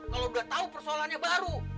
kalau udah tahu persoalannya baru